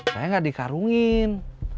saya gak di karungin